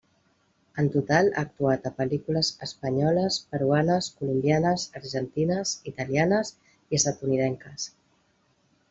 En total ha actuat a pel·lícules espanyoles, peruanes, colombianes, argentines, italianes i estatunidenques.